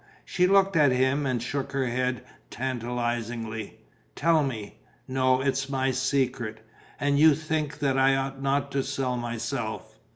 She looked at him and shook her head tantalizingly. "Tell me." "No. It's my secret." "And you think that I ought not to sell myself?"